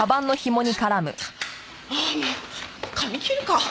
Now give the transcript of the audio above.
ああもう髪切るか。